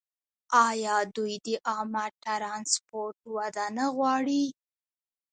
آیا دوی د عامه ټرانسپورټ وده نه غواړي؟